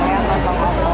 yang buat lo